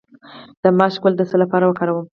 د ماش ګل د څه لپاره وکاروم؟